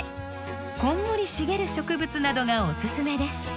こんもり茂る植物などがおすすめです。